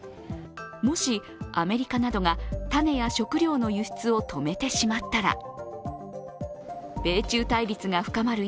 もし、アメリカなどが種や食料の輸出を止めてしまったら米中対立が深まる